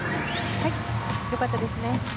良かったですね。